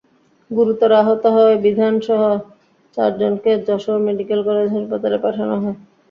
গুরুতর আহত হওয়ায় বিধানসহ চারজনকে যশোর মেডিকেল কলেজ হাসপাতালে পাঠানো হয়।